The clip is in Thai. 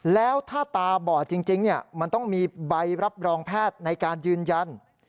แล้วถ้าตาบอดจริงมันต้องมีใบรับรองแพทย์ในการยืนยัน